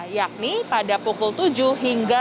yakni pada pukul tujuh hingga